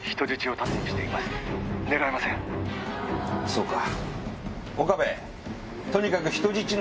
そうか。